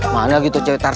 mana gitu cewe terserah